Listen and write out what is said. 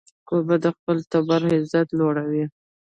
کوربه د خپل ټبر عزت لوړوي.